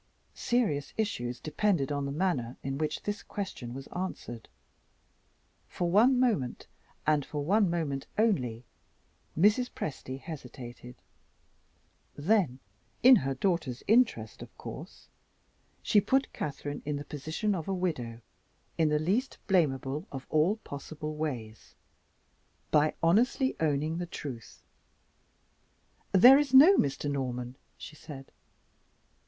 Serious issues depended on the manner in which this question was answered. For one moment, and for one moment only, Mrs. Presty hesitated. Then (in her daughter's interest, of course) she put Catherine in the position of a widow, in the least blamable of all possible ways, by honestly owning the truth. "There is no Mr. Norman," she said.